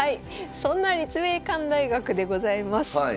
そんな立命館大学でございます。